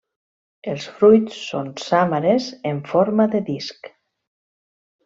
Els fruits són sàmares en forma de disc.